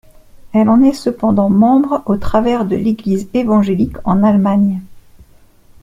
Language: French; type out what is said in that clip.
Elle en est cependant membre au travers de l'Église évangélique en Allemagne.